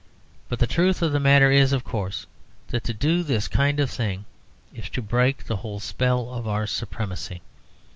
But the truth of the matter is, of course, that to do this kind of thing is to break the whole spell of our supremacy.